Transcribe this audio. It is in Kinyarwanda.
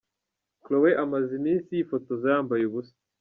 Khloe amaze iminsi yifotoza yambaye ubusa.